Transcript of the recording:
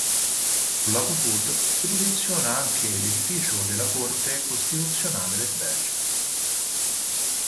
Sul lato sud si posiziona anche l'edificio della Corte costituzionale del Belgio.